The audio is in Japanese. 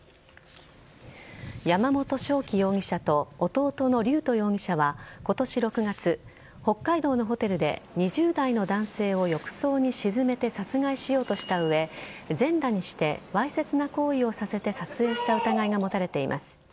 山本翔輝容疑者と弟の龍斗容疑者は今年６月、北海道のホテルで２０代の男性を浴槽に沈めて殺害しようとした上全裸にしてわいせつな行為をさせて撮影した疑いが持たれています。